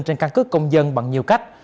trên căn cứ công dân bằng nhiều cách